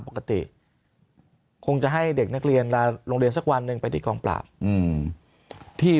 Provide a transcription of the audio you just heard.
ปกติคงจะให้เด็กนักเรียนโรงเรียนสักวันหนึ่งไปติดกองปราบที่